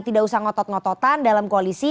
tidak usah ngotot ngototan dalam koalisi